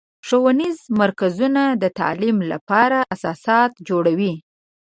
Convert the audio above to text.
ښوونیز مرکزونه د تعلیم لپاره اساسات جوړوي.